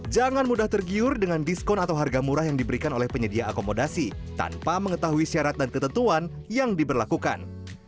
jangan mudah tergiur dengan diskon atau harga murah yang diberikan oleh penyedia akomodasi tanpa mengetahui syarat dan ketentuan yang diberlakukan